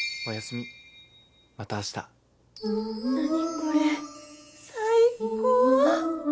これ最高！